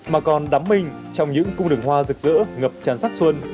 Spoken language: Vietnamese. mà còn đắm mình trong những cung đường hoa rực rỡ ngập tràn sắc xuân